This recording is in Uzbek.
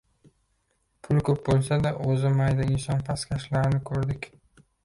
Puli ko‘p bo‘lsa-da, o‘zi «mayda» inson pastkashlarni ko‘rdik.